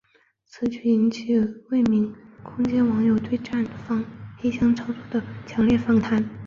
此举引起未名空间网友对站方黑箱操作的强烈反弹。